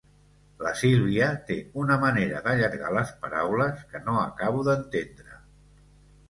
La Sílvia té una manera d'allargar les paraules que no acabo d'entendre.